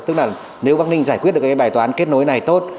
tức là nếu bắc ninh giải quyết được cái bài toán kết nối này tốt